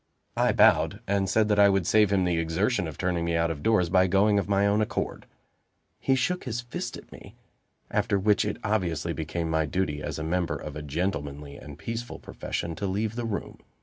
I bowed, and said that I would save him the exertion of turning me out of doors, by going of my own accord. He shook his fist at me; after which it obviously became my duty, as a member of a gentlemanly and peaceful profession, to leave the room.